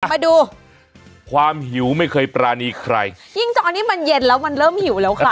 มาดูความหิวไม่เคยปรานีใครยิ่งตอนนี้มันเย็นแล้วมันเริ่มหิวแล้วค่ะ